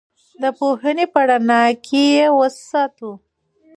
د پوهې په رڼا کې یې وساتو.